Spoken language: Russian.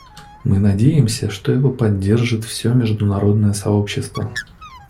Мы надеемся, что его поддержит все международное сообщество.